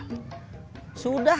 beli motornya sudah